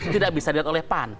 tidak bisa dilihat oleh pan